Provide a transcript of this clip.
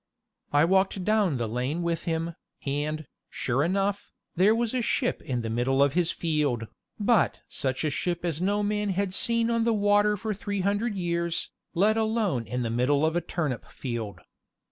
I walked down the lane with him, and, sure enough, there was a ship in the middle of his field, but such a ship as no man had seen on the water for three hundred years, let alone in the middle of a turnipfield.